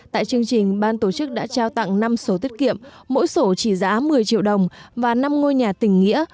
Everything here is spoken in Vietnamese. tại chương trình ban tổ chức đã trao tặng năm sổ tiết kiệm mỗi sổ trị giá một mươi triệu đồng và năm ngôi nhà tỉnh nghĩa